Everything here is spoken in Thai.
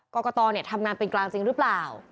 กรกตทำงานเป็นกลางจริงหรือเปล่า